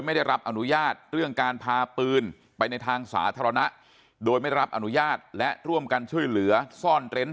ไม่ได้รับอนุญาตเรื่องการพาปืนไปในทางสาธารณะโดยไม่รับอนุญาตและร่วมกันช่วยเหลือซ่อนเร้น